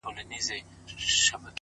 لـــكــه ښـــه اهـنـــگ.!